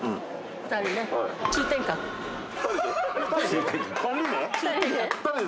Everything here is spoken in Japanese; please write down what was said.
２人で？